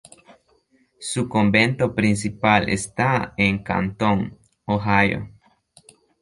Su convento principal está en Canton, Ohio.